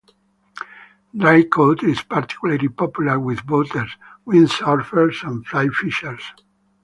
Draycote is particularly popular with boaters, windsurfers and fly fishers.